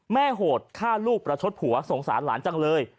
โหดฆ่าลูกประชดผัวสงสารหลานจังเลย